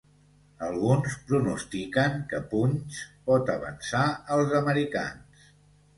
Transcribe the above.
Alguns pronostiquen que punys pot avançar els americans.